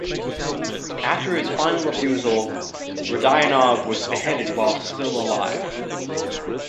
After his final refusal, Rodionov was beheaded while still alive.